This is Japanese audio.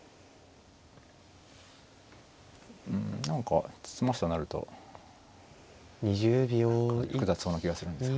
うん何か詰ますとなると何か複雑そうな気がするんですけど。